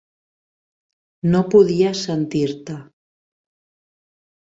No podia sentir-te.